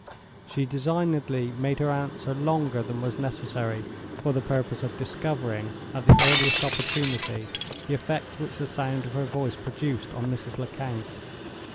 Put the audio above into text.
She designedly made her answer longer than was necessary for the purpose of discovering, at the earliest opportunity, the effect which the sound of her voice produced on Mrs. Lecount.